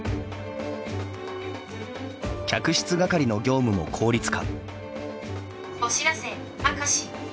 客室係の業務も効率化。